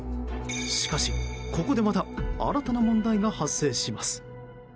しかし、ここでまた新たな問題が発生します。